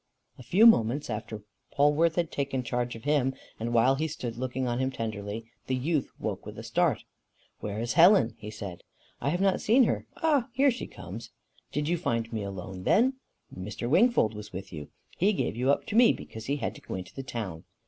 A few moments after Polwarth had taken charge of him, and while he stood looking on him tenderly, the youth woke with a start. "Where is Helen?" he said. "I have not seen her. Ah, here she comes!" "Did you find me alone then?" "Mr. Wingfold was with you. He gave you up to me, because he had to go into the town."